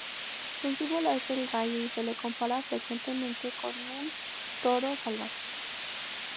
Su símbolo es el rayo y se le compara frecuentemente con un toro salvaje.